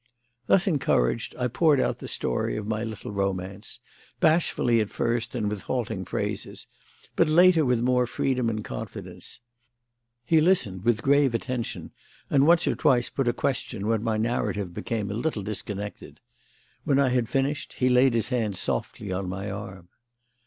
Thus encouraged, I poured out the story of my little romance; bashfully at first and with halting phrases, but, later, with more freedom and confidence. He listened with grave attention, and once or twice put a question when my narrative became a little disconnected. When I had finished he laid his hand softly on my arm.